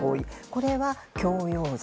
これは強要罪。